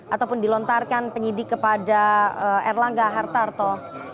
ataupun dilontarkan penyidik kepada erlangga hartarto